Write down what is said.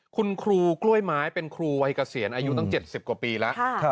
คุณครูกล้วยไม้เป็นครูวัยเกษียณอายุตั้ง๗๐กว่าปีแล้ว